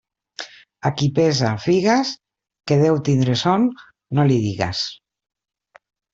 A qui pesa figues, que deu tindre son no li digues.